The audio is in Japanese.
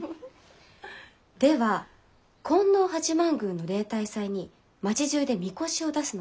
では金王八幡宮の例大祭に町じゅうでみこしを出すのは？